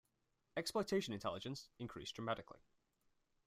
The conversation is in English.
Exploitation intelligence increased dramatically.